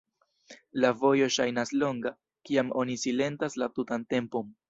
La vojo ŝajnas longa, kiam oni silentas la tutan tempon.